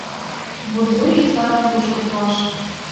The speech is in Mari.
Буржуй ӱзгарым тушко пуаш...